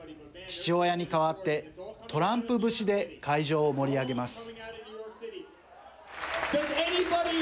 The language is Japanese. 父親に代わってトランプ節で会場を盛り上げます。